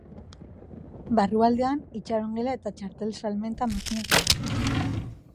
Barrualdean itxaron-gela eta txartel salmenta makinak daude.